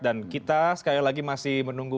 dan kita sekali lagi masih menunggu